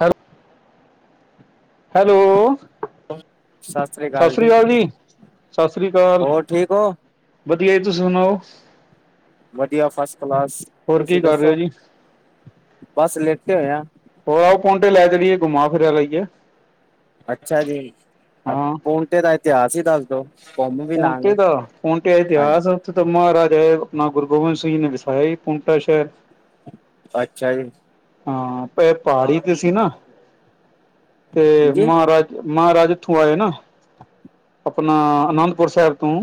Hello hello. Sat Sri ਅਕਾਲ ਜੀ, ਸਤਿ ਸ੍ਰੀ ਅਕਾਲ। ਹੋਰ ਠੀਕ ਹੋ ਵਧੀਆ ਜੀ, ਤੁਸੀਂ ਸੁਣਾਓ? ਵਧੀਆ ਫਸਟ ਕਲਾਸ, ਹੋਰ ਕੀ ਤੁਸੀਂ ਕਰ ਰਹੇ ਹੋ ਦੱਸੋ ਜੀ ਬਸ ਲੇਠੇ ਹੋਏ ਆ। ਹੋ ਆਓ ਪੋਂਂਟੇ ਲੈ ਚਲੀਏ ਘੁਮਾ ਫਿਰਿਆ ਲਈਏ ਅੱਛਾ ਜੀ, ਹਾਂ ਪੋਂਟੇ ਦਾ ਇਤਿਹਾਸ ਈ ਦੱਸ ਦੋ। ਵੀ ਪੋਂਟੇ ਲਾਂਗੇ ਦਾ ਪੋਂਟੇ ਹਾਂਜੀ ਇਤਿਹਾਸ ਤਾਂ ਮਹਾਰਾਜਾਏ ਆਪਣਾ ਗੁਰੂ ਗੋਬਿੰਦ ਸਿੰਘ ਨੇ ਵਿਸਾਇਆ ਪੋਂਟਾ ਸ਼ਹਿਰ। ਅੱਛਾ ਜੀ। ਹਾਂ, ਭੇ ਪਹਾੜੀ ਤੇ ਸੀ ਨਾ ਤੇ ਹਾਂਜੀ ਮਹਾਰਾਜ ਮਹਾਰਾਜਾ ਇਥੋਂ ਆਏ ਨਾ, ਆਪਣਾ ਅਨੰਦਪੁਰ ਸਾਹਿਬ ਤੋਂ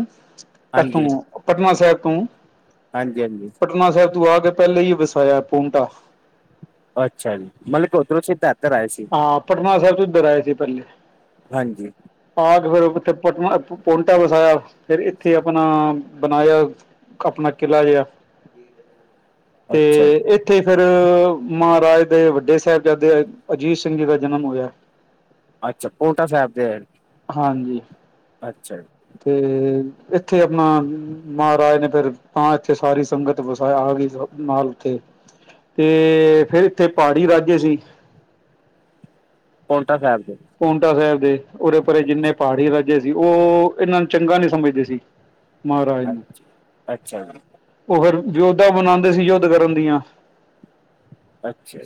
ਇਥੋਂ ਹਾਂਜੀ ਪਟਨਾ ਸਾਹਿਬ ਤੋਂ ਹਾਂਜੀ -ਹਾਂਜੀ। ਪਟਨਾ ਸਾਹਿਬ ਤੂੰ ਆ ਕੇ, ਪਹਿਲਾਂ ਹੀ ਵਸਾਇਆ ਪੋਨਟਾ ਅੱਛਾ ਜੀ, ਮਲ ਓਧਰੋਂ ਸਿੱਖ ਏਧਰ ਆਇ ਸੀ। ਹਾਂ, ਪਟਨਾ ਸਾਹਿਬ ਤੋ ਇਧਰ ਆਏ ਸੀ ਪਹਿਲੇ। ਹਾਂਜੀ। ਆ ਕੇ ਫਿਰ ਉੱਥੇ ਪਟ ਪੋਂਟਾ ਵਸਾਇਆ, ਫਿਰ ਇੱਥੇ ਆਪਣਾ ਬਣਾਇਆ, ਆਪਣਾ ਕਿਲਾ ਜਿਹਾ ਤੇ ਅੱਛਾ ਜੀ ਇ ਉੱਥੇ ਫੇਰ ਮਹਾਰਾਜ ਦੇ ਵੱਡੇ ਸਾਹਿਬਜ਼ਾਦੇ ਆਏ। ਅਜੀਤ ਸਿੰਘ ਜੀ ਦਾ ਜਨਮ ਹੋਇਆ। ਅੱਛਾ, ਪੋਂਟਾ ਸਾਹਿਬ ਤੇ ਆਏ। ਹਾਂਜੀ। ਅੱਛਾ ਜੀ। ਅਤੇ ਇੱਥੇ ਆਪਣਾ ਮਹਾਰਾਜ ਨੇ, ਫਿਰ ਤਾਂਾਂ ਇੱਥੇ ਸਾਰੀ ਸੰਗਤ ਵਸਾਇਆ ਆ ਗਈ ਸੀ। ਨਾਲ ਉੱਥੇ ਤੇ ਫੇਰ, ਇੱਥੇ ਪਹਾੜੀ ਰਾਜੇ ਸੀ। ਪੌਂਟਾ ਸਾਹਿਬ ਦੇ ਪੋਟਾ ਸਾਹਿਬ ਦੇ ਉਰੇ ਪਰੇ, ਜਿੰਨੇ ਪਹਾੜੀ ਰਾਜ ਸੀ ਉਹ, ਇਹਨਾਂ ਨੂੰ ਚੰਗਾ ਨੀ ਸਮਝਦੇ ਸੀ, ਮਹਾਰਾਜ ਅੱਛਾ ਨੂੰ। ਅੱਛਾ ਜੀ ਉਹ ਫੇਰ ਯੋਧਾ ਬਣਾਉਂਦੇ ਸੀ, ਯੁੱਧ ਕਰਨ ਦੀਆਂ ਅੱਛਾ।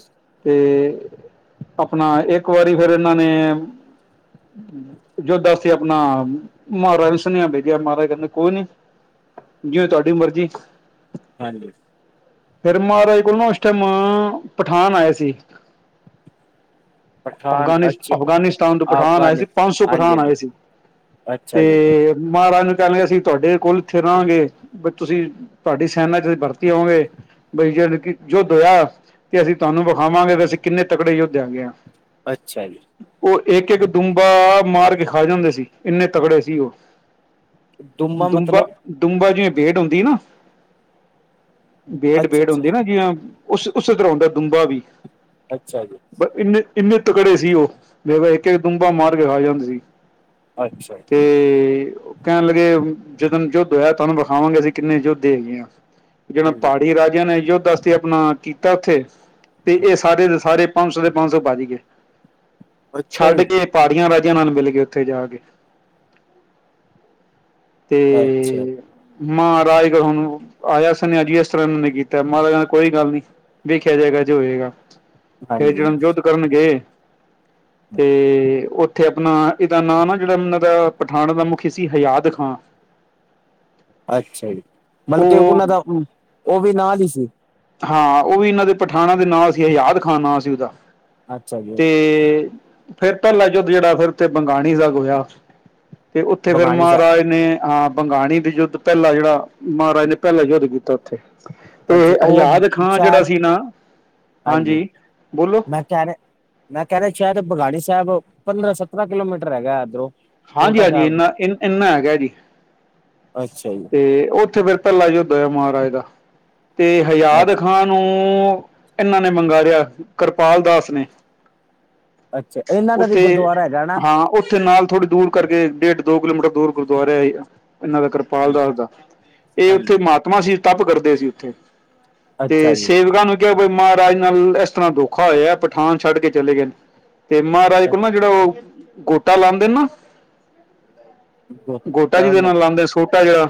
ਤੇ, ਆਪਣਾ ਇੱਕ ਵਾਰੀ ਫਿਰ ਇਹਨਾਂ ਨੇ ਯੋਦਾਂ ਸੀਂ ਆਪਣਾ, ਮਹਾਰਾਜ ਨੂੰ ਸੁਨੇਹਾ ਭੇਜਿਆ, ਮਹਾਰਾਜ ਕਹਿੰਦੇ ਕੋਈ ਨੀ। ਜਿਵੇ ਤੁਹਾਡੀ ਮਰਜ਼ੀ। ਹਾਂਜੀ। ਫਿਰ ਮਹਾਰਾਜ ਕੋਲ ਨਾ, ਉਸ ਟਾਈਮ ਪਠਾਨ ਆਏ ਸੀ। [unintelligible] ਪਠਾਨ ਅ ਅਫਗਾਨਿਸ ਅਫਗਾਨਿਸਤਾਨ ਤੋਂ ਪਠਾਨ ਆਏ ਸੀ, ਪੰਜ ਸੌ ਪਠਾਨ ਹਾਂਜੀ ਆਏ ਸੀ ਅੱਛਾ ਜੀ ਤੇ ਮਹਾਰਾਜ ਨੂੰ ਕਹਿਣ ਲਗੇ, ਅਸੀਂ ਤੁਹਾਡੇ ਕੋਲ ਇੱਥੇ ਰਹਾਂਗੇ। ਬ ਤੁਸੀਂ, ਤੁਹਾਡੀ ਸੈਨਾ ਚ ਭਰਤੀ ਹੋਵਾਗੇ। ਬਈ ਜਦ ਯੁੱਧ ਹੋਇਆ, ਤੇ ਅਸੀਂ ਤੁਹਾਨੂੰ ਵਿਖਾਵਾਂਗੇ, ਅਸੀਂ ਕਿੰਨੇ ਤਕੜੇ ਯੁੱਧੇ ਹੈਗੇ ਹਾਂ। ਅੱਛਾ ਜੀ। ਉਹ ਇੱਕ-ਇੱਕ ਡੂਮਬਾ ਮਾਰ ਕੇ ਖਾ ਜਾਂਦੇ ਸੀ, ਇੰਨੇ ਤਕੜੇ ਸੀ ਉਹ। ਡੁਮਾ ਮਤਲਬ ਡੁਮਬਾ-ਡੁਮਬਾ, ਜਿਵੇਹੀ ਭੇਟ ਹੁੰਦੀ ਏ ਨਾ ਭੇਟ ਅੱਛਾ -ਭੇਟ ਹੁੰਦੀ ਨਾ ਅੱਛਾ ਜੀਵੇ, ਉਸ ਉਸੇ ਤਰ੍ਹਾਂ ਹੁੰਦਾ ਡੁੱਬਾ ਵੀ। ਅੱਛਾ ਜੀ। ਇੰਨੇ -ਇੰਨੇ ਤਕੜੇ ਸੀ ਉਹ, ਮੇ ਕਿਹਾ, ਇੱਕ ਇੱਕ ਡੂੰਬਾ ਮਾਰ ਕੇ ਖਾ ਜਾਂਦੇ ਸੀ। ਅੱਛਾ ਤੇ ਓ। ਕਹਿਣ ਲੱਗੇ, ਜਦਣ ਯੁੱਧ ਹੋਇਆ, ਤੁਹਾਨੂੰ ਵਿਖਾਵਾਂਗੇ, ਅਸੀਂ ਕਿੰਨੇ ਯੁੱਧ ਦੇ ਹੈਗੇ ਹ। ਜੀਵੇ ਹਾਂਜੀ ਪਹਾੜੀ ਰਾਜਿਆਂ ਨੇ, ਯੁੱਧਾ। ਤੇ ਆਪਣਾ ਕੀਤਾ ਉੱਥੇ, ਤੇ ਇਹ ਸਾਰੇ ਦੇ ਸਾਰੇ ਪੰਜ ਸੌ ਦੇ ਪੰਜ ਸੌ ਭਜ ਗਏ। ਅੱਛਾ ਛੱਡ ਜੀ ਕੇ ਪਹਾੜੀਆਂ ਰਾਜਿਆਂ ਨਾਲ ਮਿਲ ਗੇ, ਉੱਥੇ ਜਾ ਕੇ। ਅੱਛਾ ਤੇ ਐ। ਮਹਾਰਾਜ ਦੇ ਹੁਣ ਆਇਆ ਸਨੇਹਾਂ, ਅੱਜ ਇਸ ਤਰ੍ਹਾਂ ਇਹਨਾਂ ਨੇ ਕੀਤਾ, ਮਹਾਰਾਜ ਕਹਿੰਦੇ, ਕੋਈ ਗੱਲ ਨੀ। ਵੇਖਿਆ ਜਾਏਗਾ ਜੇ ਹੋਏਗਾ, ਫੇਰ ਹਾਂਜੀ ਜਿਹੜਾ ਯੁੱਧ ਕਰਨ ਗਏ। ਤੇ ਉੱਥੇ ਆਪਣਾ ਇਹਦਾ ਨਾਂ ਨਾ ਜਿਹੜਾ ਉਹਨਾਂ ਦਾ ਪਠਾਨਣ ਦਾ ਮੁਖੀ ਸੀ, ਹਯਾਦ ਖਾਂ। ਅੱਛਾ ਜੀ, ਮਤਲਬ ਕੇ ਉਹ ਉਹਨਾਂ ਦਾ, ਉਹ ਵੀ ਨਾਲ ਈ ਸੀ। ਹਾਂ ਉਹ ਵੀ ਇਹਨਾਂ ਦੇ ਪਠਾਣਾਂ ਦੇ ਨਾਲ ਸੀ, ਹਜ਼ਾਦ ਖਾਨ ਨਾਂ ਸੀ ਉਹਦਾ। ਅੱਛਾ ਜੀ ਤੇ ਫੇਰ ਪਹਿਲਾ ਜੁਧ ਜਿਹੜਾ, ਫਿਰ ਉਥੇ ਬੰਗਾਣੀ ਦਾਗ ਹੋਇਆ। ਤੇ ਉੱਥੇ ਫਿਰ ਬਗਾਣੀ ਸਾਹਿਬ ਮਹਾਰਾਜ ਨੇ ਆ ਭੰਗਾਣੀ ਦੀ ਯੁੱਧ, ਪਹਿਲਾ ਜਿਹੜਾ ਮਹਾਰਾਜ ਨੇ ਪਹਿਲਾ ਯੁੱਧ ਕੀਤਾ ਉੱਥੇ। ਤੇ ਅੱਛਾ ਉਹ ਹਜ਼ਾਦ ਖਾਂ ਜਿਹੜਾ ਸ਼ਾਇਦ ਸੀ ਨਾ, ਹਾਂਜੀ ਬੋਲੋ। ਘਰ, ਮੈਂ ਕਹਿ ਰਿਹਾਂ ਚਾਹ ਤੇ ਬਗਾੜੀ ਸਾਹਿਬ, ਪੰਦਰਾਂ-ਸਤਰਾਂ ਕਿਲੋਮੀਟਰ ਹੈਗਾ, ਇਧਰੋਂ। ਹਾਂਜੀ-ਹਾਂਜੀ ਇੰਨਾ, ਇ ਇੰਨਾ ਹੈਗਾ ਜੀ। ਅੱਛਾ ਜੀ। ਤੇ ਉੱਥੇ ਫੇਰ ਪਹਿਲਾਂ ਯੁੱਧ ਹੋਇਆ ਮਹਾਰਾਜ ਦਾ ਤੇ ਹਯਾਦ ਅੱਛਾ ਖਾਂ ਨੂੰ ਇਹਨਾਂ ਨੇ ਮੰਗਾੜਿਆ, ਕਿਰਪਾਲ ਦਾਸ ਨੇ। ਅੱਛਾ ਇਹਨਾਂ ਦਾ ਵੀ ਉੱਥੇ ਗੁਰਦੁਆਰਾ ਹੈਗਾ ਨਾ ਹਾਂ, ਉੱਥੇ ਨਾਲ ਥੋੜ੍ਹੀ ਦੂਰ ਕਰਕੇ ਡੇਢ-ਦੋ ਕਿਲੋਮੀਟਰ ਦੂਰ ਗੁਰਦੁਆਰਾ ਏ, ਇਹਨਾਂ ਦਾ ਕਰਪਾਲ ਦਾਸ ਦਾ, ਇਹ ਉੱਥੇ ਹਾਂਜੀ ਮਾਤਾ ਸੀ, ਤਪ ਕਰਦੇ ਸੀ ਉੱਥੇ, ਤੇ ਅੱਛਾ ਜੀ ਸੇਵਕਾਂ ਨੂੰ ਕਿਉਂ ਬੀ, ਮਹਾਰਾਜ ਨਾਲ ਇਸ ਤਰ੍ਹਾਂ ਦੋਖਾ ਹੋਇਆ, ਪਠਾਨ ਛੱਡ ਕੇ ਚਲੇ ਗਏ ਨੇ ਤੇ ਮਹਾਰਾਜ ਕੋਲ ਨਾ, ਜਿਹੜਾ ਉਹ ਗੋਟਾ ਲਾਂਦੇ ਨਾ। ਗੋਟਾ ਜੀਦੇ ਨਾਲ ਲਾਂਦੇ ਸੋਟਾ ਜਿਹੜਾ।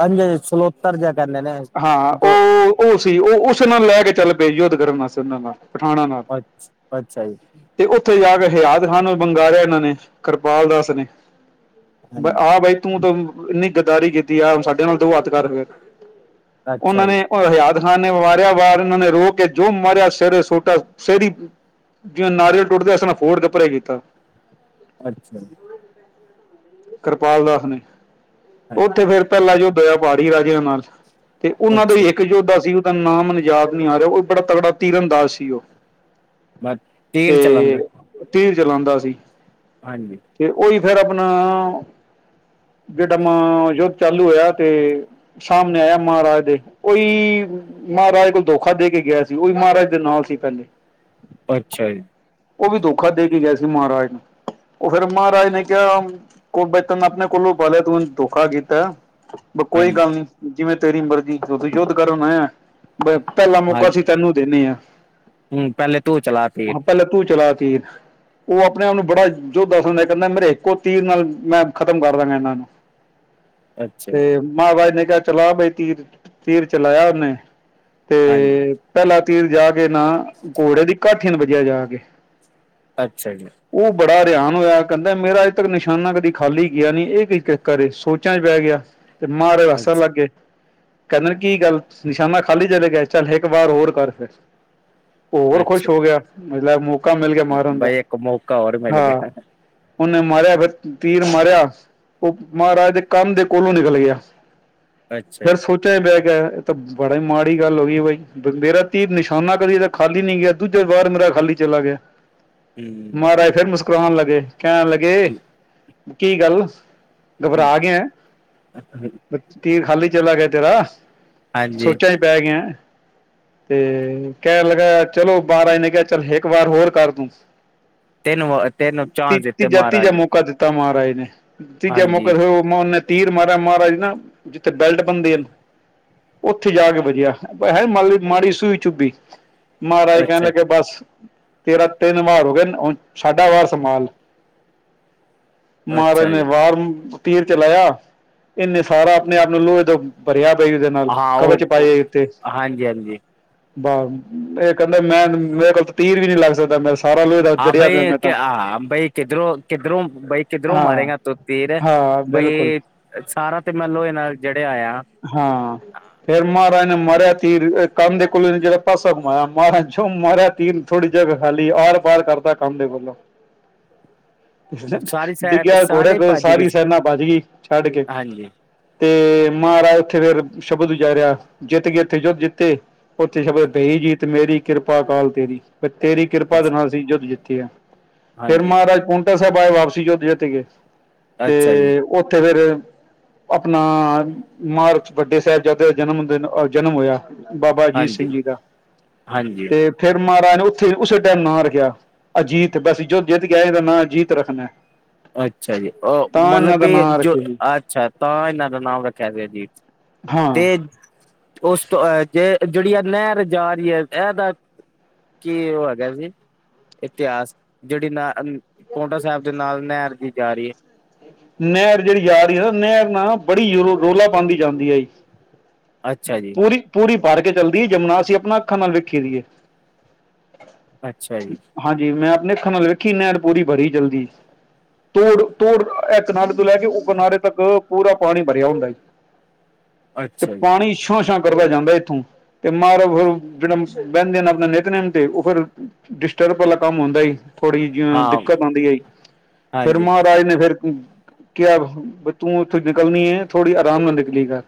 ਹਾਂਜੀ-ਹਾਂਜੀ ਸਲੋਤਰ ਜਿਹਾ ਕਰ ਲੈਨਾਂ ਏ ਹਾਂ ਉਹ-ਉਹ ਸੀ ਉਹ ਉਸੇ ਨਾਲ ਲੈ ਕੇ ਚੱਲ ਪਏ ਯੁੱਧ ਕਰਨ ਵਾਸਤੇ ਉਹਨਾਂ ਨਾਲ। ਪਠਾਣਾ ਨਾਲ ਅੱਛ-ਅੱਛਾ ਜੀ। ਤੇ ਉੱਥੇ ਜਾ ਕੇ ਹਯਾਤ ਖਾਨ ਨੂੰ ਬੰਗਾਰਿਆ ਇਹਨਾਂ ਨੇ, ਕਿਰਪਾਲ ਦਾਸ ਨੇ। ਹਾਂਜੀ ਆਹ ਬਾਈ ਤੂੰ ਤਾਂ ਇੰਨੀ ਗੱਦਾਰੀ ਕੀਤੀ, ਆ ਸਾਡੇ ਨਾਲ ਦੋ ਹੱਥ ਕਰ ਫਿਰ ਅੱਛਾ ਉਹਨਾਂ ਜੀ ਨੇ ਉਹ ਹਯਾਤ ਖਾਨ ਨੇ ਵਾਰਿਆ ਵਾਰ, ਇਹਨਾਂ ਨੇ ਰੋਕ ਕੇ ਜੋ ਮਾਰਿਆ ਸਿਰ 'ਚ ਸੋਟਾ, ਸਿਰ ਈ ਜਿਵੇਂ ਨਾਰੀਅਲ ਟੁੱਟਦਾ ਇਸ ਤਰ੍ਹਾਂ ਫੋੜ ਕੇ ਪਰੇ ਕੀਤਾ। ਅੱਛਾ ਜੀ। ਕਿਰਪਾਲ ਦਾਸ ਨੇ, ਹਾਂਜੀ ਉੱਥੇ ਫੇਰ ਪਹਿਲਾ ਯੁੱਧ ਹੋਇਆ ਪਾੜ੍ਹੀ ਰਾਜਿਆਂ ਨਾਲ। ਤੇ ਉਹਨਾਂ ਦਾ ਅੱਛਾ ਈ ਇੱਕ ਯੋਧਾ ਸੀ, ਉਹਦਾ ਨਾ ਮੈਨੂੰ ਯਾਦ ਨੀ ਆ ਰਿਹਾ, ਉਹ ਬੜਾ ਤਗੜਾ ਤੀਰ ਅੰਦਾਜ਼ ਸੀ ਉਹ। ਮੈਂ ਤੇ ਤੇਰ ਚਲਾਉਂਦਾ ਤੀਰ ਚਲਾਂਦਾ ਸੀ। ਹਾਂਜੀ। ਤੇ ਉਹੀ ਫਿਰ ਆਪਣਾ, ਜਿਹੜਾ ਮ ਯੁੱਧ ਚਾਲੂ ਹੋਇਆ ਤੇ ਸਾਹਮਣੇ ਆਇਆ ਮਹਾਰਾਜ ਦੇ, ਓਈ ਮਹਾਰਾਜ ਕੋਲ ਦੋਖਾ ਦੇ ਕੇ ਗਿਆ ਸੀ, ਉਹ ਵੀ ਮਹਾਰਾਜ ਦੇ ਨਾਲ ਸੀ ਪਹਿਲੇ। ਅੱਛਾ ਜੀ। ਉਹ ਵੀ ਦੋਖਾ ਦੇ ਕੇ ਗਿਆ ਸੀ ਮਹਾਰਾਜ ਨੂੰ, ਉਹ ਫਿਰ ਮਹਾਰਾਜ ਨੇ ਕਿਹਾ ਕੋ ਬੈ ਤਾਂ ਆਪਣੇ ਕੋਲੋਂ ਪਾਲਿਆ ਤੂੰ ਦੋਖਾ ਕੀਤਾ, ਬ ਕੋਈ ਹਾਂਜੀ ਗੱਲ ਨੀ। ਜਿਵੇਂ ਤੇਰੀ ਮਰਜ਼ੀਂ, ਹੁਣ ਤੂੰ ਯੁੱਧ ਕਰਨ ਆਇਆ ਪਹਿਲਾ ਮੌਕਾ ਅਸੀਂ ਤੈਨੂੰ ਦੇਨੇ ਆ। ਹਮ, ਪਹਿਲੇ ਤੂੰ ਚਲਾ ਤੀਰ। ਪਹਿਲੇ ਤੂੰ ਚਲਾ ਤੀਰ, ਉਹ ਆਪਣੇ-ਆਪ ਨੂੰ ਬੜਾ ਜੋਧਾ ਸਮਝਦਾ ਸੀ, ਕਹਿੰਦਾ ਮੇਰੇ ਇੱਕੋ ਤੀਰ ਨਾਲ ਮੈਂ ਖ਼ਤਮ ਕਰਦਾਂ ਗਾ ਇਹਨਾਂ ਨੂੰ, ਅੱਛਾ ਜੀ ਤੇ ਮਹਾਬਾਜ ਨੇ ਕਿਹਾ ਚਲਾ ਬਈ ਤੀਰ, ਤੀਰ ਚਲਾਇਆ ਉਹਨੇ, ਤੇ ਹਾਂਜੀ ਪਹਿਲਾ ਤੀਰ ਜਾ ਕੇ ਨਾ, ਘੋੜੇ ਦੀ ਕਾਠੀ ਨੂੰ ਵਜਿਆ ਜਾ ਕੇ ਅੱਛਾ ਜੀ। ਉਹ ਬੜਾ ਹਰਿਆਨ ਹੋਇਆ, ਕਹਿੰਦਾ ਮੇਰਾ ਅੱਜ ਤੱਕ ਨਿਸ਼ਾਨਾ ਕਦੀ ਖਾਲੀ ਗਿਆ ਨੀ ਏ ਕਿ ਚਕਰ ਏ ਸੋਚਾਂ ਚ ਪੈ ਗਿਆ ਤੇ ਮਾਰਾਜ ਵੱਸਣ ਅੱਛਾ ਲੱਗ ਗੇ। ਕੈੰਂਦੇ ਨ ਕੀ ਗੱਲ ਨਿਸ਼ਾਨਾ ਖਾਲੀ ਚਲੇ ਗਏ ਚੱਲ ਇੱਕ ਵਾਰ ਹੋਰ ਕਰ ਫਿਰ ਹੋਰ ਖੁਸ਼ ਹੋ ਅੱਛਾ ਗਿਆ ਮਤਲਬ ਲੈ ਮੌਕਾ ਮਿਲ ਗਿਆ ਮਾਰਨ ਦਾ ਬਾਈ ਇੱਕ ਮੌਕਾ ਹੋਰ ਮਿਲ ਹਾਂ ਗਿਆ ਓਨੇ ਮਾਰਿਆ ਫੇ ਤੀਰ ਮਾਰਿਆ ਉਹ ਮਹਾਰਾਜ ਦੇ ਕੰਮ ਦੇ ਕੋਲੋਂ ਨਿਕਲ ਗਯਾ ਅੱਛਾ ਫਿਰ ਸੋਚ ਬੈ ਗਿਆ ਏ ਤਾਂ ਬੜਾ ਹੀ ਮਾੜੀ ਗੱਲ ਹੋ ਗਈ ਬਾਈ। ਮੇਰਾ ਤੀਰ ਨਿਸ਼ਾਨਾ ਕਦੇ ਤਾਂ ਖਾਲੀ ਨੀ ਗਿਆ ਦੂਜਾ ਵਾਰ ਮੇਰਾ ਖਾਲੀ ਚਲਾ ਗਯਾ। ਹੂੰ ਮਾਰਾਜ ਫਿਰ ਮੁਸਕਰਾਣ ਲੱਗੇ ਕੈਣ ਲੱਗੇ ਕੀ ਗੱਲ ਘਬਰਾ ਗਯਾ। ਤੀਰ ਖਾਲੀ ਚਲਾ ਗਯਾ ਤੇਰਾ ਹਾਂਜੀ ਸੋਚਾ ਚ ਪੈ ਗਯਾ। ਤੇ ਕੈਣ ਲੱਗਾ ਚਲੋ ਬਾਰ ਆ ਐਨੇ ਕੇਹਾ ਚੱਲ ਇੱਕ ਵਾਰ ਹੋਰ ਕਰ ਤੂੰ। ਤਿੰਨ ਵਾਰ ਤਿੰਨ ਚਾਂਸ ਦਿੱਤੇ ਮਾਰਾਜ ਨੇ। ਮੌਕਾ ਦਿੱਤਾ ਮਹਾਰਾਜ ਨੇ ਤੀਜਾ ਮੌਕਾ ਹਾਂਜੀ ਫੇਰ ਓ ਓਨੇ ਤੀਰ ਮਾਰਿਆ ਮਹਾਰਾਜ ਨਾ ਜਿੱਥੇ ਬੈਲਟ ਬਣਦੇ ਅਨ ਉੱਥੇ ਜਾ ਕੇ ਵਜਆ ਹੈ ਮੀ ਮਾੜੀ ਸੂਈ ਚੁੱਬੀ। ਮਹਾਰਾਜ ਕਹਿਣ ਅੱਛਾ ਲੱਗੇ ਬਸ ਤੇਰਾਾਂ ਤਿੰਨ ਵਾਰ ਹੋ ਗਏ ਹੁਣ ਸਾਡਾ ਵਾਰ ਸੰਭਾਲ ਦੀ। ਮਾਰਜ ਅੱਛਾ ਨੇ ਜੀ ਵਾਰ ਤੀਰ ਚਲਾਇਆ ਇਹਨੇ ਸਾਰਾ ਆਪਣੇ ਆਪ ਨੂੰ ਲੋਹੇ ਤੋਂ ਪਰਿਆ ਈਦੇ ਨਾਲ ਹਾਂ ਕਵਚ ਉਹ ਪਾਏ ਇਥੇ ਹਾਂਜੀ ਹਾਂਜੀ ਬਾਹ ਇਹ ਕਹਿੰਦੇ ਮੈਂ ਮੇਰੇ ਕੋਲ ਤਾਂ ਤੀਰ ਵੀ ਨੀ ਲੱਗ ਸਕਦਾ ਮੈ ਸਾਰਾ ਲੋਏ ਹਾਂ ਬਈ ਕਯਾ ਬਈ ਕਿੱਧਰੋਂ-ਕਿੱਧਰੋਂ ਬਈ ਕਿੱਧਰੋਂ ਹਾਂ ਮਾਰੇਗਾ ਤੂੰ ਤੀਰ ਹਾਂ ਬਿਲਕੁਲ ਬਈ ਸਾਰਾ ਤੇ ਮੈ ਲੋਏ ਨਾਲ। ਜੜੇਯਾ ਹੋਯਾ। ਹਾਂ। ਫੇਰ ਮਹਾਰਾਜ ਨੇ ਮਰਿਆ ਤੀਰ ਕੰਨ ਦੇ ਕੋਲੋਂ ਜੇੜਾ ਪਾਸਾ ਕੁਮਾਇਆ ਮਹਾਰਾਜ ਜੋ ਮਾਰਿਆ ਤਨ ਥੋੜ੍ਹੀ ਜਗਾ ਖਾਲੀ ਆਰ-ਪਾਰ ਕਰਤਾ ਕੰਨ ਦੇ ਕੋਲੋਂ। ਸਾਰੀ ਸੈਰ ਡਿੱਗਿਆ ਘੋੜੇ ਸਾਨੇ ਕੋ ਭੱਜ ਗਏ ਸਾਰੀ ਸੀ ਸੈਨਾ ਬਜ ਗਈ ਛੱਡ ਕੇ। ਹਾਂਜੀ ਤੇ ਮਹਾਰਾਜ ਉੱਥੇ ਫੇਰ ਸ਼ਬਦ ਉਜਾਰਿਆ ਜਿੱਤ ਗੇ ਉੱਥੇ ਜੁਧ ਜਿੱਤੇ। ਓਥੇ ਛਪੇ ਬਈ ਜੀਤ ਮੇਰੀ ਕਿਰਪਾ ਕਾਲ ਤੇਰੀ। ਤੇਰੀ ਕਿਰਪਾ ਦੇ ਬਸ, ਨਾਲ ਅਸੀਂ ਯੁੱਧ ਜਿੱਤੇ ਆ ਫੇਰ ਹਾਂਜੀ ਮਹਾਰਾਜ ਪੋਂ ਨਾ ਸਾਹਿਬ ਆਏ ਵਾਪਸੀ ਯੁੱਧ ਜਿੱਤ ਕੇ ਤੇ ਅੱਛਾ ਜੀ ਉੱਥੇ ਫੇਰ ਆਪਣਾ ਮਾਰਚ ਵੱਡੇ ਸਾਹਿਬਜ਼ਾਦੇ ਦਾ ਜਨਮ ਦਿਨ ਜਨਮ ਹੋਯਾ। ਬਾਬਾ ਅਜੀਤ ਹਾਂਜੀ ਸਿੰਘ ਜੀ ਦਾ ਹਾਂਜੀ ਤੇ ਫੇਰ ਮਹਾਰਾਜ ਨੇ ਉੱਥੇ ਉਸੇ ਟੈਮ ਨਾਮ ਰੱਖਿਆ ਅਜੀਤ ਬਸ ਜੁੱਧ ਜਿੱਤ ਗਿਆ ਇਹਦਾ ਨਾਂ ਅਜੀਤ ਰੱਖਣਾ। ਅੱਛਾ ਜੀ ਅ ਤਾਂ ਮਤਲਬ ਇਹਨਾਂ ਦਾ ਕਿ ਨਾਂ ਜੋ ਰੱਖਿਆ ਜੀ ਅੱਛਾ ਤਾਂ ਏਨਾਂ ਦਾ ਨਾਮ ਰੱਖਿਆ ਗਯਾ ਅਜੀਤ। ਹਾਂ ਤੇ ਉਸ ਤੋਂਹ ਜੇ ਜੇੜੀ ਆ ਨਹਿਰ ਜਾ ਰਹੀ ਏ ਐ ਤਾਂ ਕੀ ਉਹ ਹੈਗਾ ਜੀ ਇਤਿਹਾਸ ਜੇੜੀ ਨਾ ਪੋਂਟਾ ਸੈਬ ਦੇ ਨਾਲ ਨੈਰ ਜੀ ਜਾ ਰੀ ਏ। ਨੈਰ ਜੇੜੀ ਯਾ ਰੀ ਹੈ ਨਾ ਨੈਰ ਨਾ ਬੜੀ ਰੋਲਾ ਪਾਂਦੀ ਜਾਂਦੀ ਆਈ। ਅੱਛਾ ਜੀ ਪੂਰੀ ਪੂਰੀ ਭਰ ਕੇ ਚੱਲਦੀ ਜਮੁਨਾ ਅਸੀਂ ਆਪਣੀ ਅੱਖਾਂ ਨਾਲ ਵੇਖੀ ਦੀ ਏ। ਅੱਛਾ ਜੀ। ਹਾਂਜੀ ਮੈਂ ਆਪਣੇ ਅੱਖਾਂ ਨਾਲ ਵੇਖੀ ਨੈਣ ਪੂਰੀ ਭਰੀ ਜਲਦੀ ਤੋੜ-ਤੋੜ ਐ ਕਨਾਰੇ ਤੋਂ ਲੈ ਕੇ ਓ ਕਿਨਾਰੇ ਤੱਕ ਪੂਰਾ ਪਾਣੀ ਭਰਿਆ ਹੁੰਦਾ ਈ ਤੇ ਅੱਛਾ ਜੀ ਪਾਣੀ ਛਾਂ-ਛਾਂ ਕਰਦਾ ਜਾਂਦਾ ਇੱਥੋਂ ਤੇ ਮਾਰ ਫਿਰ ਜੇੜਾ ਬੈੰਦੇ ਨੇ ਆਪਣੇ ਨੇਤਨਮ ਤੇ ਓ ਫਿਰ ਡਿਸਟਰਬ ਵਾਲਾ ਕੰਮ ਹੁੰਦਾ ਈ ਥੋੜੀ ਜਿ ਜਿਹੀ ਹਾਂ ਦਿੱਕਤ ਹੁੰਦੀ ਆਈ ਫੇਿਰ ਹਾਂਜੀ ਮਹਾਰਾਜ ਨੇ ਫਿਰ ਕਿਆ ਤੂੰ ਉੱਥੋਂ ਨਿਕਲਣੀ ਏ ਥੋੜ੍ਹੀ ਆਰਾਮ ਨਾਲ ਨਿਕਲੀ ਕਰ-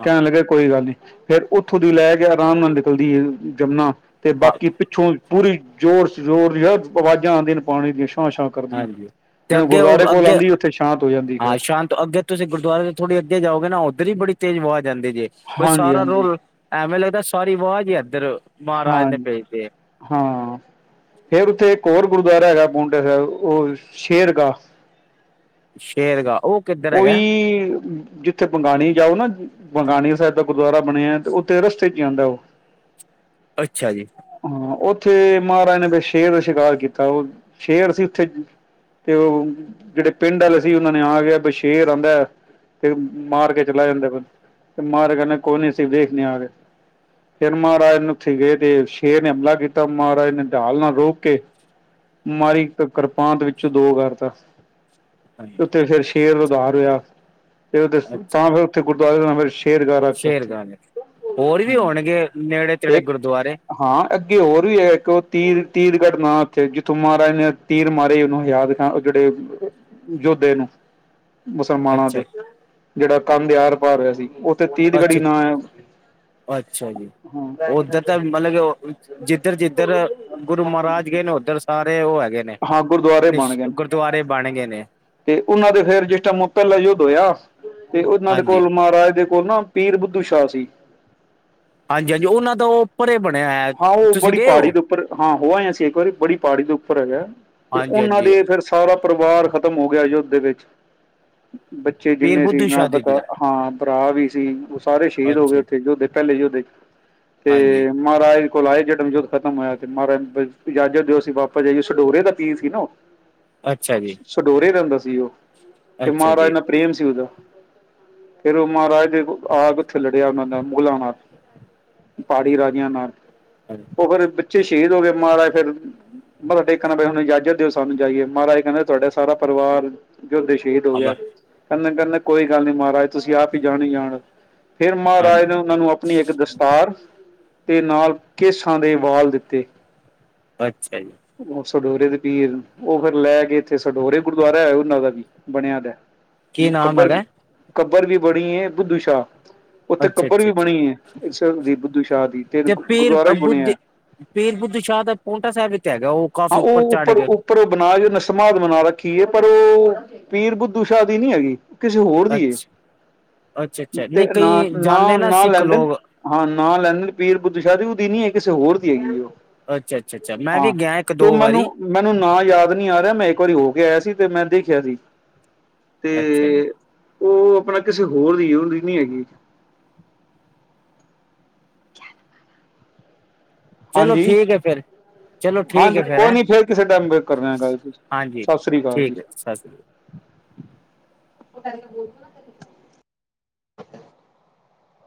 ਹਾਂ ਕੈਣ ਲੱਗੇ ਕੋਈ ਗੱਲ ਨੀ ਫੇਰ ਓਥੋਂ ਦੀ ਲੈ ਕੇ ਆਰਾਮ ਨਾਲ ਨਿਕਲਦੀ ਏ ਜਮਨਾ। ਤੇ ਹਾਂ ਬਾਕੀ ਪਿੱਛੋਂ ਪੂਰੀ ਜ਼ੋਰ ਜ਼ੋਰ ਦੀ ਆਵਾਜ਼ਾਂ ਆਉਂਦੀਆਂ ਪਾਣੀ ਦੀਆਂ ਛਾਂ ਛਾਂ ਕਰਦੀਆਂ ਹਾਂਜੀ ਤੇ ਜਿਵੇ ਅੱਗੇ ਉਹ ਗੁਰਦੁਆਰੇ ਕੋਲ ਅੱਗੇ ਆਉਂਦੀ ਉੱਥੇ ਸ਼ਾਂਤ ਹੋ ਜਾਂਦੀ ਫੇਰ। ਹਾਂ ਸ਼ਾਂਤ ਅੱਗੇ ਤੁਸੀਂ ਗੁਰਦੁਆਰੇ ਥੋੜ੍ਹੀ ਅੱਗੇ ਜਾਓਗੇ ਨਾ ਉੱਧਰ ਹੀ ਬੜੀ ਤੇਜ਼ ਵਾਜ ਜਾਦੀ ਜੇ ਬਈ ਹਾਂਜੀ ਸਾਰਾ ਹਾਂਜੀ ਰੋਲਾ ਐਵੇਂ ਲੱਗਦਾ ਸਾਰੀ ਵਾਜ ਈ ਇੱਧਰ ਮਹਾਰਾਜ ਨੇ ਹਾਂਜੀ ਭੇਜ ਤੀ ਏ। ਹਾਂ ਫੇਰ ਉੱਥੇ ਇੱਕ ਹੋਰ ਗੁਰਦੁਆਰਾ ਹੈਗਾ ਪੋਡਾ ਸਾਹਿਬ ਉਹ ਸ਼ੇਰ ਕਾ ਸ਼ੇਰਗਾ ਉਹ ਕਿੱਧਰ ਉਹੀ ਹੈਗਾ ਜਿਦਾ ਉੱਥੇ ਬੰਗਾਣੀ ਜਾਓ ਨਾ ਬੰਗਾਣੀ ਸਾਹਿਬ ਦਾ ਗੁਰਦੁਆਰਾ ਬਣਿਆ ਤੇ ਉੱਥੇ ਰਸਤੇ ਚ ਜਾਂਦਾ ਉਹ [inaudible] ਅੱਛਾ ਜੀ। ਹਾਂ ਉੱਥੇ ਮਹਾਰਾਜ ਨੇ ਫੇਰ ਸ਼ੇਰ ਦਾ ਸ਼ਿਕਾਰ ਕੀਤਾ ਉਹ ਸ਼ੇਰ ਸੀ ਉੱਥੇ ਤੇ ਉਹ ਜਿਹੜੇ ਪਿੰਡ ਵਾਲੇ ਸੀ ਉਹਨਾਂ ਨੇ ਆ ਗਿਆ। ਸ਼ੇਰ ਆਦਾ ਏ ਤੇ ਮਾਰ ਕੇ ਚਲਾ ਜਾਂਦਾ ਬਸ ਤੇ ਮਾਰੇ ਕੋਲਜ ਚ ਹੀ ਦੇਖਦੇ ਆ ਰਹੇ ਫਿਰ ਮਹਾਰਾਜ ਉਥੇ ਗਏ ਤੇ ਸ਼ੇਰ ਨੇ ਹਮਲਾ ਕੀਤਾ ਮਹਾਰਾਜ ਨੇ ਡਾਲ ਨਾਲ ਰੋਕ ਕੇ ਮਾਰੀ ਕਿਰਪਾਂਨ ਵਿੱਚੋਂ ਦੋ ਕਰਤਾ। ਉੱਥੇ ਫੇਰ ਸ਼ੇਰ ਉਧਾਰ ਹੋਇਆ ਫਿਰ ਉ ਤਾਂ ਫਿਰ ਉੱਥੇ ਗੁਰਦੁਆਰੇ ਦਾ ਨਾਮ ਸ਼ੇਰਗਾਹ ਰੱਖਤਾ ਸ਼ੇਰ ਉੱਥੇ ਗਾਨ ਹੋਰ ਵੀ ਹੋਣਗੇ ਨੇੜੇ ਤੇੜੇ ਇੱਕ ਗੁਰਦੁਆਰੇ ਹਾਂ ਅੱਗੇ ਹੋਰ ਵੀ ਹੈ ਇੱਕ ਉਹ ਤੀਰ ਤੀਰ ਘਟਨਾ ਉੱਥੇ ਜਿੱਥੋਂ ਮਹਾਰਾਜ ਨੇ ਤੀਰ ਮਾਰੇ ਉਹਨੂੰ ਯਾਦ ਜਿਹੜੇ ਯੋਧੇ ਨੂੰ। ਮੁਸਲਮਾਨਾਂ ਅੱਛਾ ਤੇ ਜਿਹੜਾ ਕੰਦਿਆਰ ਪਾ ਰਿਹਾ ਸੀ ਉੱਥੇ ਤੀਤ ਗੜੀ ਅੱਛਾ ਨਾਅ ਹੈ। ਅੱਛਾ ਜੀ। ਹਾਂ ਉੱਧਰ ਤਾਂ ਮਤਲਬ ਜਿੱਧਰ ਜਿੱਧਰ ਗੁਰੂ ਮਹਾਰਾਜ ਗਏ ਨੇ ਉੱਧਰ ਸਾਰੇ ਉਹ ਹੈਗੇ ਨੇ ਹਾਂ ਗੁਰਦੁਆਰੇ ਬਣ ਨਿਸ਼ ਗਏ ਨੇ ਗੁਰਦੁਆਰੇ ਬਣ ਗਏ ਨੇ। ਤੇ ਉਹਨਾਂ ਦੇ ਫੇਰ ਜਿਸ ਟਾਈਮ ਉਹ ਪਹਿਲਾ ਯੁੱਧ ਹੋਇਆ ਤੇ ਉਹਨਾਂ ਦੇ ਹਾਂਜੀ ਕੋਲ ਮਹਾਰਾਜ ਦੇ ਕੋਲ ਨਾ ਪੀਰ ਬੁੱਧੂ ਸ਼ਾਹ ਸੀ। ਹਾਂਜੀ ਹਾਂਜੀ ਉਹਨਾਂ ਦਾ ਪਰੇ ਬਣਿਆ ਹੋਇਆ ਹਾਂ ਉਹ ਬੜੀ ਪਹਾੜੀ ਦੇ ਉੱਪਰ ਹਾਂ ਹੋ ਆਏ ਹ ਅਸੀਂ ਇੱਕ ਵਾਰੀ ਬੜੀ ਪਹਾੜੀ ਦੇ ਉੱਪਰ ਹੈਗਾ। ਤੇ ਹਾਂਜੀ ਉਹਨਾਂ ਹਾਂਜੀ ਦੇ ਫਿਰ ਸਾਰਾ ਪਰਿਵਾਰ ਖਤਮ ਹੋ ਗਿਆ ਯੁੱਧ ਦੇ ਵਿੱਚ। ਬੱਚੇ ਪੀਰ ਜਿੰਨੇ ਸੀ ਬੁੱਧੂ ਮੈਂ ਸ਼ਾਹ ਜੀ ਪਤਾ ਦਾ ਹਾਂ ਭਰਾ ਵੀ ਸੀ ਉਹ ਸਾਰੇ ਸ਼ਹੀਦ ਹੋ ਗਏ ਅੱਛਾ ਜੀ, ਉੱਥੇ ਜੋਧੇ ਪਹਿਲੇ ਯੁਧ ਚ ਹਾਂਜੀ ਤੇ ਮਹਾਰਾਜ ਕੋਲ ਆਏ ਜਦੋ ਯੁਧ ਖਤਮ ਹੋਇਆ ਤੇ ਮਹਾਰਾਜ ਇਜਾਜ਼ਤ ਦਿਓਸੀਂ ਵਾਪਸ ਜਾਈਏ ਸਡੋਰੇ ਦਾ ਪੀਰ ਸੀ ਨਾ ਓਹ [inaudible] ਅੱਛਾ ਜੀ। ਸਡੋਰੇ ਰਹਿੰਦਾ ਸੀ ਉਹ ਤੇ ਅੱਛਾ ਮਹਾਰਾਜ ਜੀ ਨਾਲ ਪ੍ਰੇਮ ਸੀ ਉਹਦਾ ਫੇਰ ਉਹ ਮਹਾਰਾਜ ਜ ਆ ਕੇ ਉੱਥੇ ਲੜਿਆ ਉਹਨਾਂ ਦਾ ਮੁਗਲਾਂ ਨਾਲ ਪਹਾੜੀ ਰਾਜਾ ਨਾਲ ਹਾਂ ਉਹ ਫੇਰ ਬੱਚੇ ਸ਼ਹੀਦ ਹੋ ਗਏ ਮਹਾਰਾਜ ਫੇਰ ਮੈਂ ਤੁਹਾਡੇ ਣਾ ਹੁਣ ਇਜਾਜ਼ਤ ਦਿਓ ਸਾਨੂੰ ਜਾਈਏ ਮਹਾਰਾਜ ਕਹਿੰਦੇ ਤੁਹਾਡ ਸਾਰਾ ਪਰਿਵਾਰ ਜੋਦੇ ਸ਼ਹੀਦ ਹੋ ਗਿਆ ਕਹਿੰਦੇ ਕਹਿੰਦੇ ਕੋਈ ਗੱਲ ਨਹੀਂ ਮਹਾਰਾਜ ਤੁਸੀਂ ਆਪ ਹੀ ਜਾਣੀ ਜਾਣ ਹੋ ਫਿਰ ਹਾਂਜੀ ਮਹਾਰਾਜ ਨੇ ਉਹਨਾਂ ਨੂੰ ਆਪਣੀ ਇੱਕ ਦਸਤਾਰ ਦੇ ਨਾਲ ਕੇਸਾਂ ਦੇ ਵਾਲ ਦਿੱਤੇ ਅੱਛਾ ਜੀ। ਉਹ ਸਡੋਰੇ ਦੇ ਪੀਰ ਉਹ ਫੇਰ ਲੈ ਕੇ ਇੱਥੇ ਸਡੋਰੇ ਗੁਰਦੁਆਰਾ ਹੈ ਉਹਨਾਂ ਦਾ ਵੀ ਬਣਿਆ ਦਾ। ਕੀ ਨਾਮ ਕੱਬਰ ਹੈਗਾ ਕੱਬਰ ਵੀ ਬਣੀ ਐ ਬੁੱਧੂ ਸ਼ਾਹ, ਉੱਥੇ ਅੱਛਾ ਕੱਬਰ ਅੱਛਾ ਵੀ ਅੱਛਾ ਬਣੀ ਐ। ਇਸ ਦੀ ਬੁੱਧੂ ਸ਼ਾਹ ਦੀ। ਤੇ ਪੀਰ ਗੁਰਦੁਆਰਾ ਵੀ ਬੁੱਧੀ, ਬਣਿਆ ਪੀਰ ਬੁੱਧ ਸ਼ਾਹ ਦਾ ਪੋਂਟਾ ਸਾਹਿਬ ਵਿੱਚ ਹੈਗਾ, ਉਹ ਕਾਫ਼ੀ ਉੱਪਰ ਚੜ੍ਹ ਗਏ। ਪਰ ਉਹ ਬਣਾ ਕੇ ਨਾ ਸਮਾਧ ਬਣਾ ਰੱਖੀਏ, ਪਰ ਉਹ ਪੀਰ ਬੁੱਧੂ ਸ਼ਾਹ ਦੀ ਨੀ ਹੈਗੀ। ਕਿਸੇ ਹੋਰ ਦੀ ਐ, ਅੱਛਾ ਅੱਛਾ ਅੱਛਾ ਤੇ ਨਹੀਂ ਨਾ ਕਈ ਨਾ ਜਾਂਦੇ ਨਾ ਸਿੱਖ ਲੈਂਦੇ ਨੇ ਲੋਕ ਹਾਂ ਨਾ ਲੈਂਦੇ ਨੇਂ ਪੀਰ ਬੁੱਧੂ ਸ਼ਾਹ ਦੀ, ਉਹਦੀ ਨੀ ਐ, ਕਿਸੇ ਹੋਰ ਦੀ ਹੈਗੀ ਐ। ਅੱਛਾ ਅੱਚਾ ਚਾ, ਮੈਂ ਵੀ ਗਿਆ ਇੱਕ ਦੋ ਵਾਰੀ। ਮੈਨੂੰ ਨਾਂ ਯਾਦ ਨੀ ਆ ਰਿਹਾ, ਮੈਂ ਇੱਕ ਵਾਰੀ ਹੋ ਕੇ ਆਇਆ ਸੀ, ਤੇ ਮੈਂ ਦੇਖਿਆ ਸੀ। ਅੱਛਾ ਜੀ ਤੇ ਉਹ ਆਪਣਾ ਕਿਸੇ ਹੋਰ ਦੀ ਐ, ਉਹਦੀ ਨੀ ਹੈਗੀ। ਕਿਆ ਚਲੋ ਠੀਕ ਐ ਫੇਰ। ਹਾਂਜੀ ਕੋਈ ਨੀ ਫੇਰ ਕਿਸੇ ਟਾਈਮ ਕਰਨਾ ਆ ਗਲ ਜੀ, ਹਾਂਜੀ ਸਤਿ ਸ੍ਰੀ ਅਕਾਲ ਜੀ। ਠੀਕ ਹੈ ਸਤਿ ਸ਼੍ਰੀ ਅਕਾਲ [inaudible]